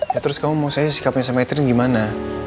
ya terus kamu mau saya sikap sama catherine gimana